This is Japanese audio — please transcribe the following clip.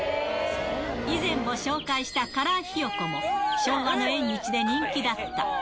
以前も紹介したカラーひよこも、昭和の縁日で人気だった。